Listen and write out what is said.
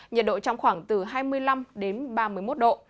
nhiệt độ trong khoảng từ hai mươi năm đến ba mươi một độ